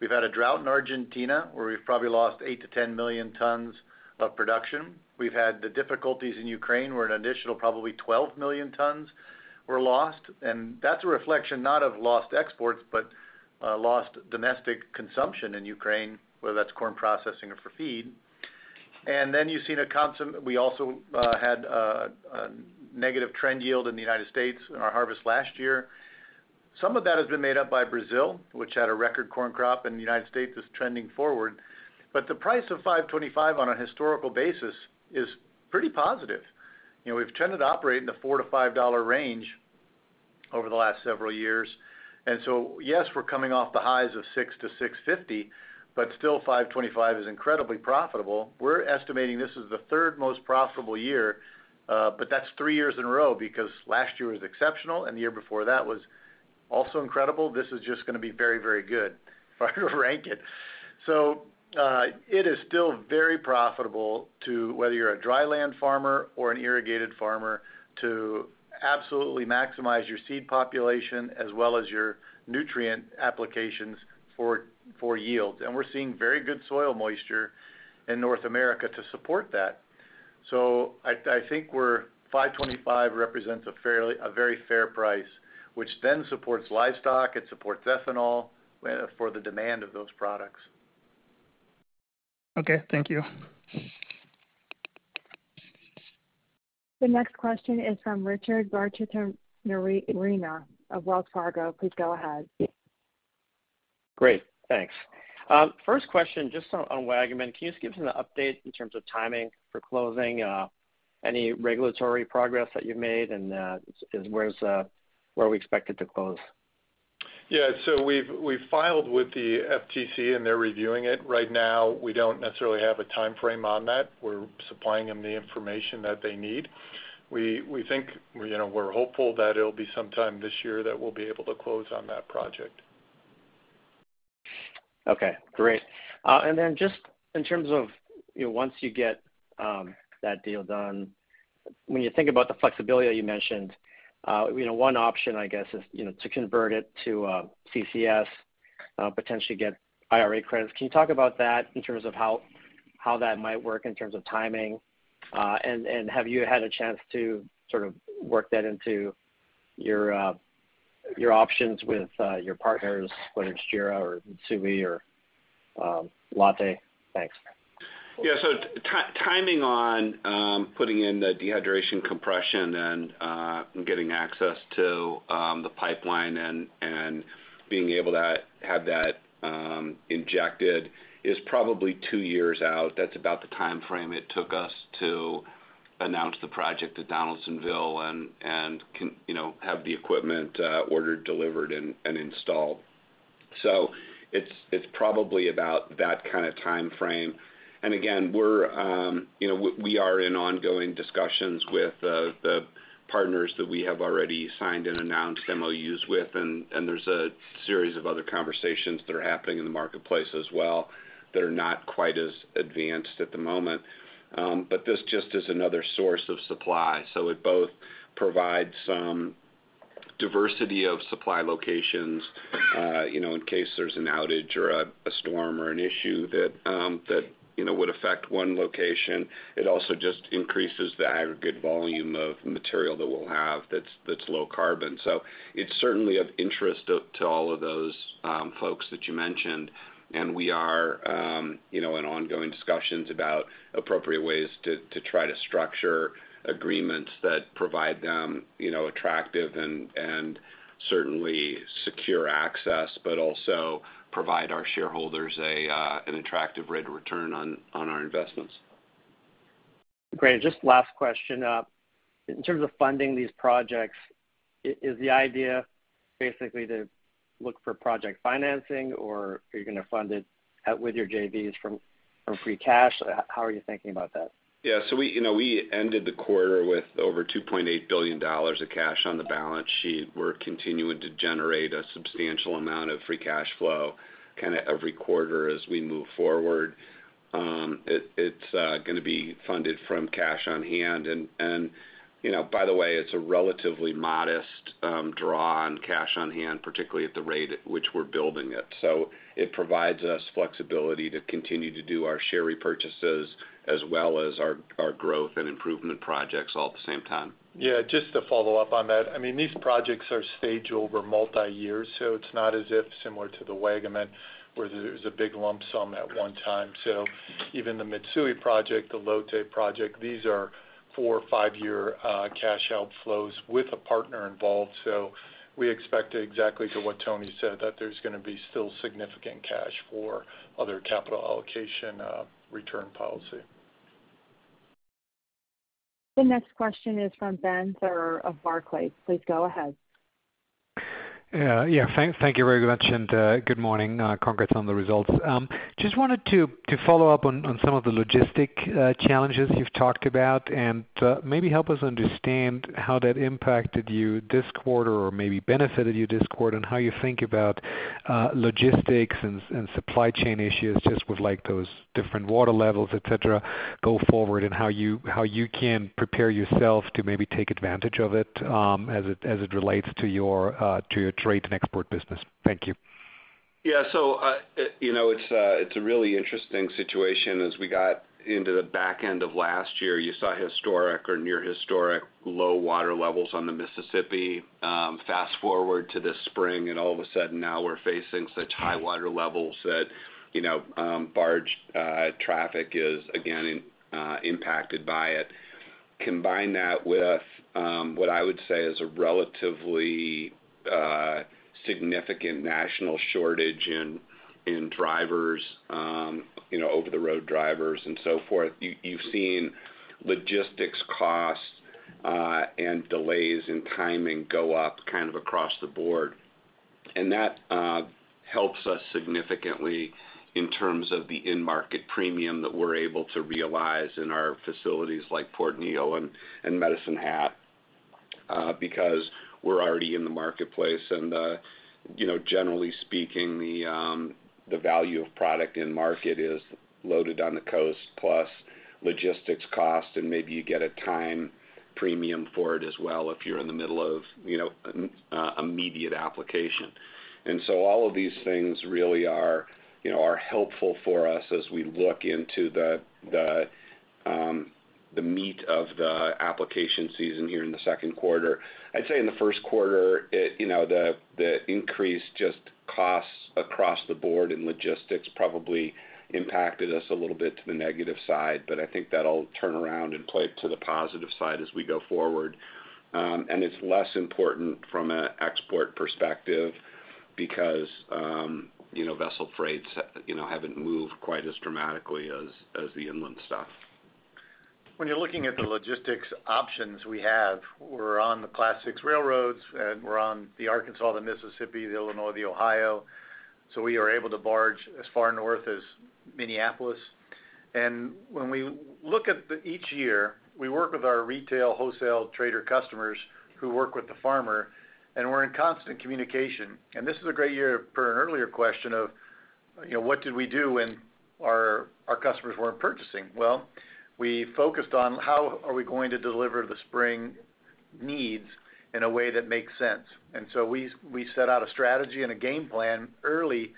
We've had a drought in Argentina, where we've probably lost 8-10 million tons of production. We've had the difficulties in Ukraine, where an additional probably 12 million tons were lost. That's a reflection not of lost exports, but lost domestic consumption in Ukraine, whether that's corn processing or for feed. Then you've seen a constant. We also had a negative trend yield in the United States in our harvest last year. Some of that has been made up by Brazil, which had a record corn crop, and the United States is trending forward. The price of $5.25 on a historical basis is pretty positive. You know, we've tended to operate in the $4-$5 range over the last several years. Yes, we're coming off the highs of $6-$6.50, but still, $5.25 is incredibly profitable. We're estimating this is the third most profitable year, but that's three years in a row because last year was exceptional and the year before that was also incredible. This is just gonna be very, very good if I were to rank it. It is still very profitable to, whether you're a dry land farmer or an irrigated farmer, to absolutely maximize your seed population as well as your nutrient applications for yields. We're seeing very good soil moisture in North America to support that. I think we're $5.25 represents a very fair price, which then supports livestock, it supports ethanol, for the demand of those products. Okay, thank you. The next question is from Richard Garchitorena of Wells Fargo. Please go ahead. Great, thanks. First question, just on Waggaman. Can you just give us an update in terms of timing for closing, any regulatory progress that you made and where are we expected to close? Yeah. We've filed with the FTC, and they're reviewing it right now. We don't necessarily have a timeframe on that. We're supplying them the information that they need. We, we think, you know, we're hopeful that it'll be sometime this year that we'll be able to close on that project. Great. Then just in terms of, you know, once you get that deal done, when you think about the flexibility you mentioned, you know, one option, I guess, is, you know, to convert it to CCS, potentially get IRA credits. Can you talk about that in terms of how that might work in terms of timing? Have you had a chance to sort of work that into your options with your partners, whether it's JERA or Mitsui or Lotte? Thanks. Timing on putting in the dehydration compression and getting access to the pipeline and being able to have that injected is probably two years out. That's about the timeframe it took us to announce the project at Donaldsonville and can, you know, have the equipment ordered, delivered and installed. It's probably about that kinda timeframe. Again, we're, you know, we are in ongoing discussions with the partners that we have already signed and announced MOUs with. There's a series of other conversations that are happening in the marketplace as well that are not quite as advanced at the moment. This just is another source of supply. It both provides some diversity of supply locations, you know, in case there's an outage or a storm or an issue that, you know, would affect one location. It also just increases the aggregate volume of material that we'll have that's low carbon. It's certainly of interest to all of those folks that you mentioned. We are, you know, in ongoing discussions about appropriate ways to try to structure agreements that provide them, you know, attractive and certainly secure access, but also provide our shareholders an attractive rate of return on our investments. Great. Just last question. In terms of funding these projects, is the idea basically to look for project financing, or are you gonna fund it out with your JVs from free cash? How are you thinking about that? Yeah. We, you know, we ended the quarter with over $2.8 billion of cash on the balance sheet. We're continuing to generate a substantial amount of free cash flow kinda every quarter as we move forward. It's gonna be funded from cash on hand. You know, by the way, it's a relatively modest draw on cash on hand, particularly at the rate at which we're building it. It provides us flexibility to continue to do our share repurchases as well as our growth and improvement projects all at the same time. Yeah, just to follow up on that. I mean, these projects are staged over multi-years, so it's not as if similar to the Waggaman, where there's a big lump sum at one time. Even the Mitsui project, the LOTTE project, these are four, five-year cash outflows with a partner involved. We expect exactly to what Tony said, that there's gonna be still significant cash for other capital allocation, return policy. The next question is from Benjamin Theurer of Barclays. Please go ahead. Yeah. Thank you very much, and good morning. Congrats on the results. Just wanted to follow up on some of the logistics challenges you've talked about, and maybe help us understand how that impacted you this quarter or maybe benefited you this quarter, and how you think about logistics and supply chain issues, just with, like, those different water levels, et cetera, go forward, and how you can prepare yourself to maybe take advantage of it, as it relates to your trade and export business. Thank you. Yeah. You know, it's a really interesting situation. As we got into the back end of last year, you saw historic or near historic low water levels on the Mississippi. Fast-forward to this spring, all of a sudden now we're facing such high water levels that, you know, barge traffic is again impacted by it. Combine that with what I would say is a relatively significant national shortage in drivers, you know, over-the-road drivers and so forth. You've seen logistics costs and delays in timing go up kind of across the board. That helps us significantly in terms of the in-market premium that we're able to realize in our facilities like Port Neal and Medicine Hat, because we're already in the marketplace. You know, generally speaking, the value of product in market is loaded on the coast, plus logistics cost, and maybe you get a time premium for it as well if you're in the middle of, you know, immediate application. All of these things really are, you know, are helpful for us as we look into the meat of the application season here in the second quarter. I'd say in the first quarter, it, you know, the increase just costs across the board and logistics probably impacted us a little bit to the negative side, but I think that'll turn around and play to the positive side as we go forward. It's less important from an export perspective because, you know, vessel freights, you know, haven't moved quite as dramatically as the inland stuff. When you're looking at the logistics options we have, we're on the Class I railroads, and we're on the Arkansas, the Mississippi, the Illinois, the Ohio, so we are able to barge as far north as Minneapolis. When we look at each year, we work with our retail wholesale trader customers who work with the farmer, and we're in constant communication. This is a great year for an earlier question of, you know, what did we do when our customers weren't purchasing? Well, we focused on how are we going to deliver the spring needs in a way that makes sense. We set out a strategy and a game plan early,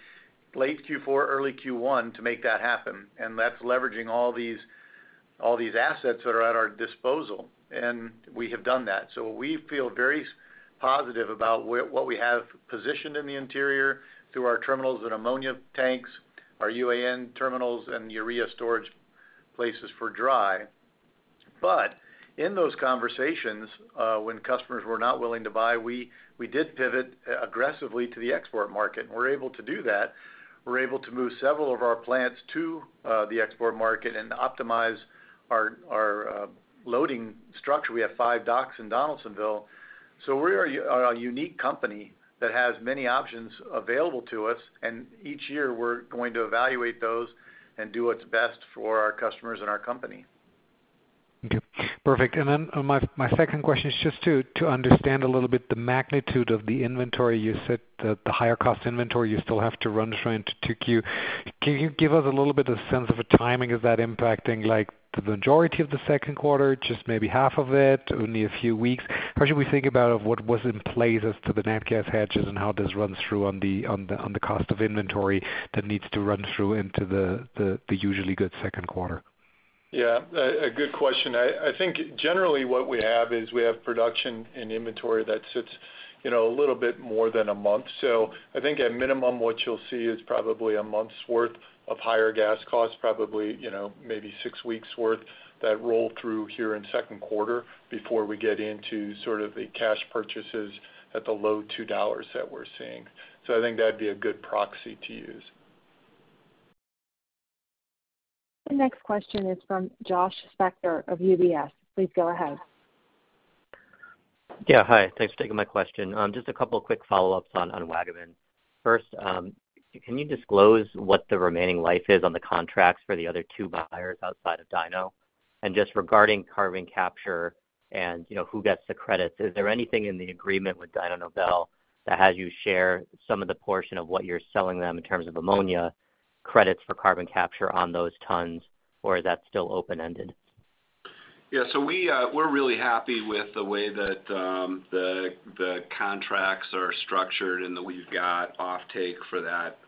late Q4, early Q1 to make that happen, and that's leveraging all these assets that are at our disposal. We have done that. We feel very positive about what we have positioned in the interior through our terminals and ammonia tanks, our UAN terminals and the urea storage places for dry. In those conversations, when customers were not willing to buy, we did pivot aggressively to the export market. We're able to do that. We're able to move several of our plants to the export market and optimize our loading structure. We have five docks in Donaldsonville. We are a unique company that has many options available to us, and each year, we're going to evaluate those and do what's best for our customers and our company. Okay. Perfect. My second question is just to understand a little bit the magnitude of the inventory. You said that the higher cost inventory, you still have to run through into 2Q. Can you give us a little bit of sense of a timing of that impacting, like the majority of the second quarter, just maybe half of it, only a few weeks? How should we think about of what was in play as to the nat gas hedges and how this runs through on the cost of inventory that needs to run through into the usually good second quarter? Yeah. A good question. I think generally what we have is we have production and inventory that sits, you know, a little bit more than a month. I think at minimum, what you'll see is probably a month's worth of higher gas costs, probably, you know, maybe six weeks worth that roll through here in second quarter before we get into sort of the cash purchases at the low $2 that we're seeing. I think that'd be a good proxy to use. The next question is from Josh Spector of UBS. Please go ahead. Yeah. Hi. Thanks for taking my question. Just a couple quick follow-ups on Waggaman. First, can you disclose what the remaining life is on the contracts for the other two buyers outside of Dyno? Just regarding carbon capture and, you know, who gets the credits, is there anything in the agreement with Dyno Nobel that has you share some of the portion of what you're selling them in terms of ammonia credits for carbon capture on those tons, or is that still open-ended? We're really happy with the way that the contracts are structured and that we've got offtake for that,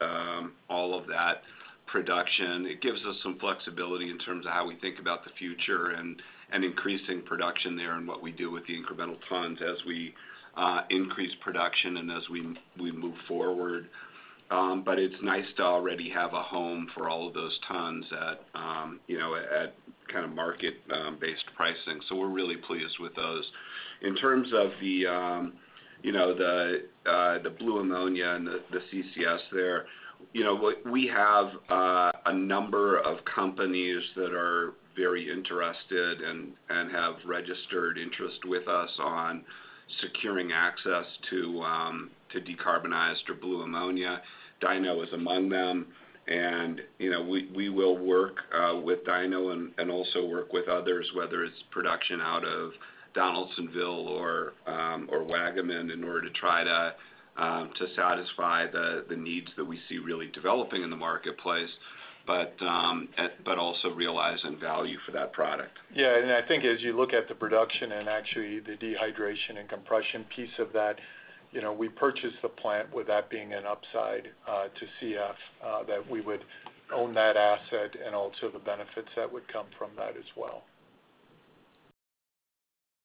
all of that production. It gives us some flexibility in terms of how we think about the future and increasing production there and what we do with the incremental tons as we increase production and as we move forward. It's nice to already have a home for all of those tons at, you know, at kind of market based pricing. We're really pleased with those. In terms of the, you know, the blue ammonia and the CCS there, you know, we have a number of companies that are very interested and have registered interest with us on securing access to decarbonized or blue ammonia. Dyno is among them. You know, we will work with Dyno and also work with others, whether it's production out of Donaldsonville or Waggaman in order to try to satisfy the needs that we see really developing in the marketplace. Also realizing value for that product. Yeah. I think as you look at the production and actually the dehydration and compression piece of that, you know, we purchased the plant with that being an upside to CF that we would own that asset and also the benefits that would come from that as well.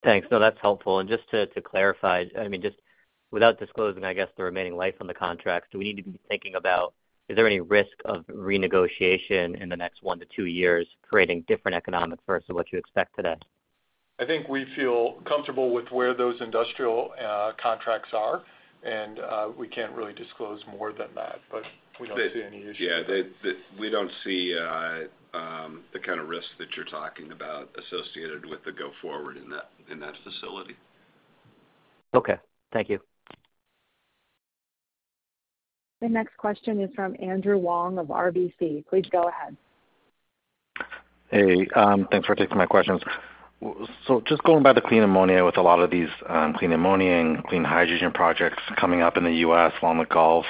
Thanks. No, that's helpful. Just to clarify, I mean, just without disclosing, I guess, the remaining life on the contract, do we need to be thinking about is there any risk of renegotiation in the next 1-2 years creating different economics versus what you expect today? I think we feel comfortable with where those industrial contracts are. We can't really disclose more than that. We don't see any issue. Yeah. We don't see the kind of risks that you're talking about associated with the go forward in that, in that facility. Okay. Thank you. The next question is from Andrew Wong of RBC. Please go ahead. Hey, thanks for taking my questions. Just going by the clean ammonia with a lot of these clean ammonia and clean hydrogen projects coming up in the U.S. along the Gulf,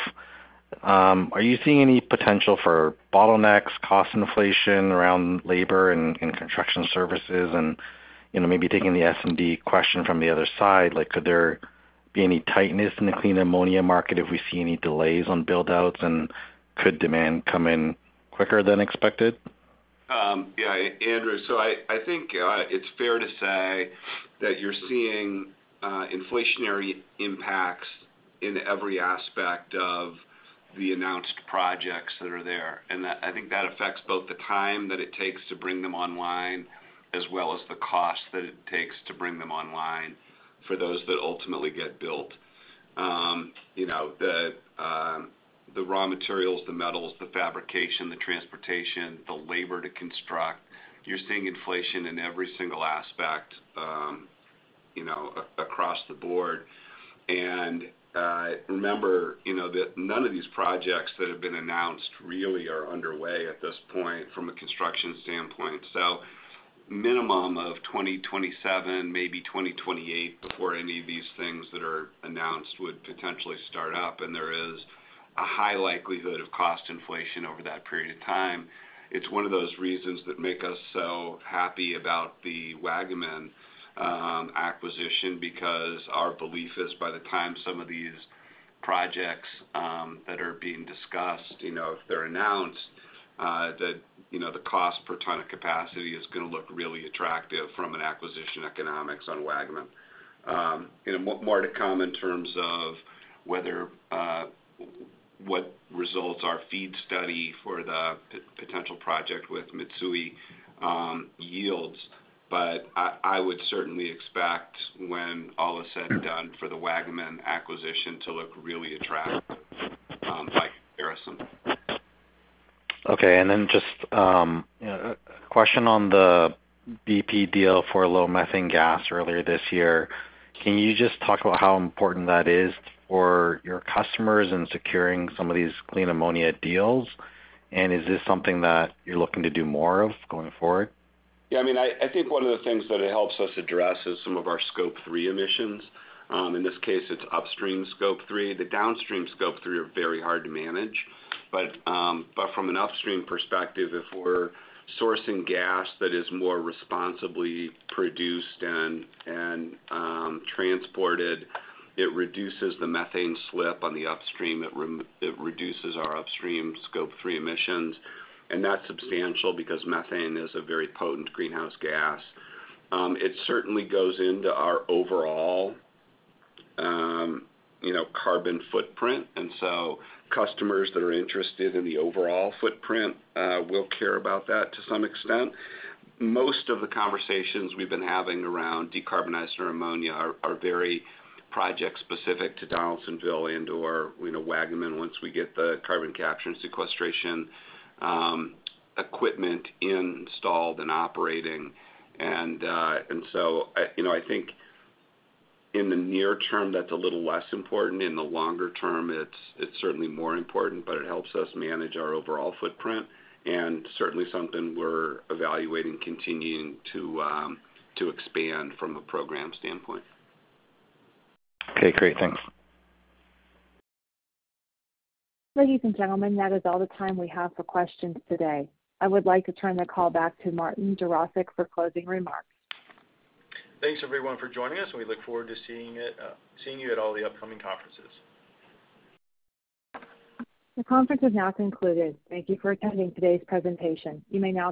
are you seeing any potential for bottlenecks, cost inflation around labor and construction services? You know, maybe taking the S&D question from the other side, like could there be any tightness in the clean ammonia market if we see any delays on build-outs, and could demand come in quicker than expected? Yeah, Andrew. I think it's fair to say that you're seeing inflationary impacts in every aspect of the announced projects that are there, and I think that affects both the time that it takes to bring them online, as well as the cost that it takes to bring them online for those that ultimately get built. You know, the raw materials, the metals, the fabrication, the transportation, the labor to construct, you're seeing inflation in every single aspect, you know, across the board. Remember, you know, that none of these projects that have been announced really are underway at this point from a construction standpoint. Minimum of 2027, maybe 2028 before any of these things that are announced would potentially start up, and there is a high likelihood of cost inflation over that period of time. It's one of those reasons that make us so happy about the Waggaman acquisition, because our belief is by the time some of these projects that are being discussed, you know, if they're announced, that, you know, the cost per ton of capacity is gonna look really attractive from an acquisition economics on Waggaman. More to come in terms of whether what results our FEED study for the potential project with Mitsui yields. I would certainly expect when all is said and done for the Waggaman acquisition to look really attractive by comparison. Okay. Just, a question on the bp deal for low methane gas earlier this year. Can you just talk about how important that is for your customers in securing some of these clean ammonia deals? Is this something that you're looking to do more of going forward? I mean, I think one of the things that it helps us address is some of our Scope three emissions. In this case, it's upstream Scope three. The downstream Scope three are very hard to manage. From an upstream perspective, if we're sourcing gas that is more responsibly produced and transported, it reduces the methane slip on the upstream. It reduces our upstream Scope three emissions, and that's substantial because methane is a very potent greenhouse gas. It certainly goes into our overall, you know, carbon footprint, and so customers that are interested in the overall footprint will care about that to some extent. Most of the conversations we've been having around decarbonized ammonia are very project specific to Donaldsonville and/or, you know, Waggaman once we get the carbon capture and sequestration equipment installed and operating. You know, I think in the near term, that's a little less important. In the longer term, it's certainly more important, but it helps us manage our overall footprint, and certainly something we're evaluating continuing to expand from a program standpoint. Okay. Great. Thanks. Ladies and gentlemen, that is all the time we have for questions today. I would like to turn the call back to Martin Jarosick for closing remarks. Thanks, everyone, for joining us, and we look forward to seeing it, seeing you at all the upcoming conferences. The conference has now concluded. Thank you for attending today's presentation. You may now disconnect.